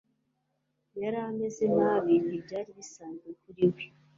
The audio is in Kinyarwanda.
Yari ameze nabi, ntibyari bisanzwe kuri we.